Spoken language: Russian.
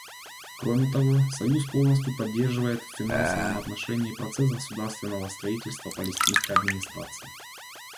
Кроме того, Союз полностью поддерживает в финансовом отношении процесс государственного строительства Палестинской администрации.